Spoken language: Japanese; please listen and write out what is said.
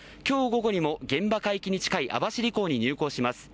午後にも現場海域に近い網走港に入港します。